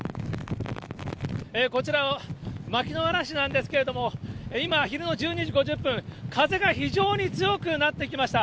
こちら、牧之原市なんですけれども、今、昼の１２時５０分、風が非常に強くなってきました。